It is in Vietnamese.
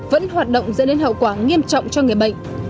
vẫn hoạt động dẫn đến hậu quả nghiêm trọng cho người bệnh